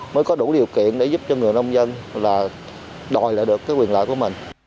mới có đủ điều kiện để giúp cho người nông dân đòi lại được quyền lợi của mình